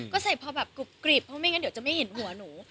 ก็ใส่พอกรุบกรีบเพราะไม่อยากจะเห็นหัวหนู